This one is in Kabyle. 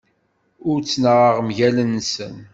Ur ttnaɣeɣ mgal-nsen.